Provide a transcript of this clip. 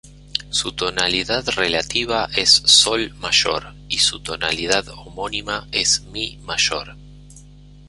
Su tonalidad relativa es "sol" mayor, y su tonalidad homónima es "mi" mayor.